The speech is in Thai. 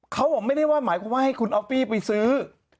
เขาบอกไม่ได้ว่าหมายความว่าให้คุณออฟฟี่ไปซื้อ